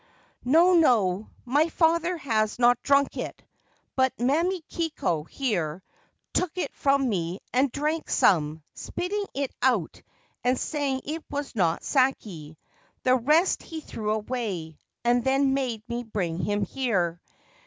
* No, no : my father has not drunk it ; but Mamikiko, here, took it from me and drank some, spitting it out and saying it was not sake ; the rest he threw away, and then made me bring him here.